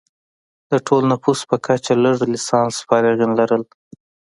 د ټول نفوس په کچه لږ لسانس فارغین لرل.